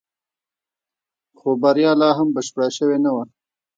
خو بريا لا هم بشپړه شوې نه وه.